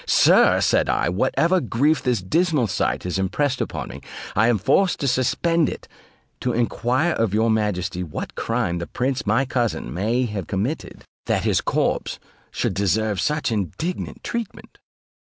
"Sir," said I, "whatever grief this dismal sight has impressed upon me, I am forced to suspend it, to enquire of your majesty what crime the prince my cousin may have committed, that his corpse should deserve such indignant treatment?"